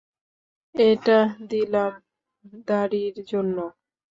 এটা দিলাম দাড়ির জন্য।